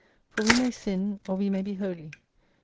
For we may sin, or we may be holy.